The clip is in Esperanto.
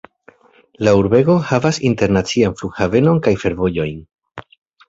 La urbego havas internacian flughavenon kaj fervojon.